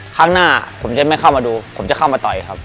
ครั้งหน้าผมจะไม่เข้ามาดูผมจะเข้ามาต่อยครับ